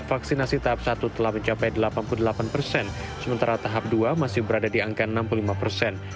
vaksinasi tahap satu telah mencapai delapan puluh delapan persen sementara tahap dua masih berada di angka enam puluh lima persen